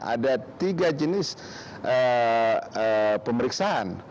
ada tiga jenis pemeriksaan